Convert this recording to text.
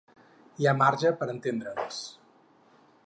Hi ha marge per entendre’ns.